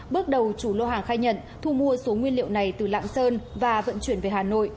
bước đầu chủ lô hàng khai nhận thu mua số nguyên liệu này từ lạng sơn và vận chuyển về hà nội